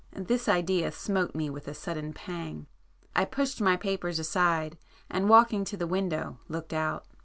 This idea smote me with a sudden pang,—I pushed my papers aside, and walking to the window, looked out.